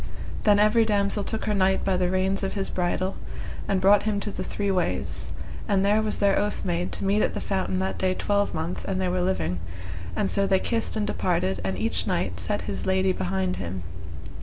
Then every damosel took her knight by the reins of his bridle, and brought him to the three ways, and there was their oath made to meet at the fountain that day twelvemonth an they were living, and so they kissed and departed, and each knight set his lady behind him.